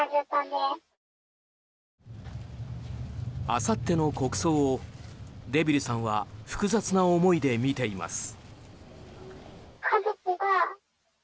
あさっての国葬をデビルさんは複雑な思いで見ています。